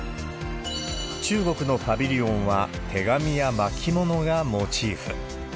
中国のパビリオンは、手紙や巻き物がモチーフ。